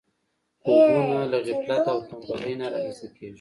خوبونه له غفلت او تنبلي نه رامنځته کېږي.